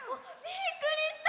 びっくりした！